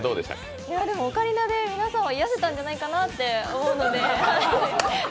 オカリナで皆さんを癒やせたんじゃないかなと思うので。